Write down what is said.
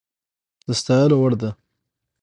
د ستايلو وړ ده